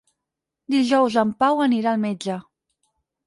Dijous en Pau anirà al metge.